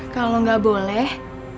kalau gak boleh